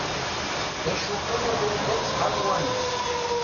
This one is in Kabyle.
D acu kan abrid-a tesɛa amwanes.